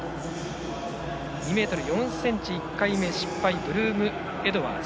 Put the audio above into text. ２ｍ４ｃｍ、１回目失敗ブルームエドワーズ。